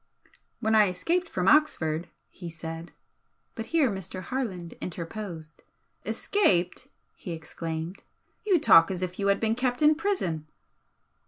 "When I escaped from Oxford," he said but here Mr. Harland interposed. "Escaped!" he exclaimed "You talk as if you had been kept in prison."